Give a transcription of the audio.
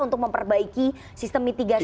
untuk memperbaiki sistem mitigasi